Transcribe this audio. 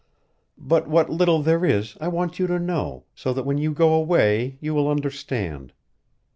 "But what little there is I want you to know, so that when you go away you will understand.